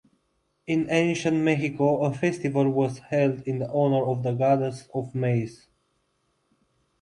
In ancient Mexico a festival was held in honor of the goddess of maize.